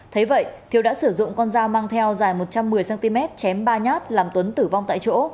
thấy vậy thiếu đã sử dụng con dao mang theo dài một trăm một mươi cm chém ba nhát làm tuấn tử vong tại chỗ